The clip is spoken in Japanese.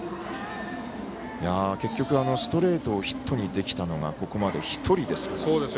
結局ストレートをヒットにできたのがここまで１人。